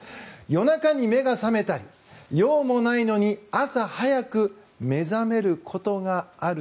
夜中に目が覚めたり用もないのに朝早く目覚めることがある。